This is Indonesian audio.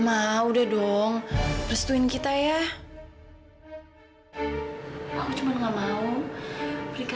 apa yang sebenarnya terjadi sama mereka